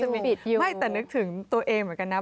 ไม่น่าจะมีไม่แต่นึกถึงตัวเองเหมือนกันนะ